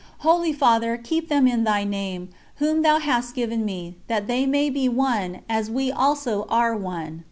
Holy Father, keep them in Thy name, whom Thou hast given me, that they may be one, as we also are one.